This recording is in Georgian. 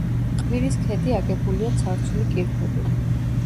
ყვირის ქედი აგებულია ცარცული კირქვებით.